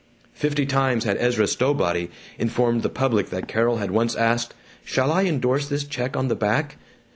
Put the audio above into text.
Fifty times had Ezra Stowbody informed the public that Carol had once asked, "Shall I indorse this check on the back?"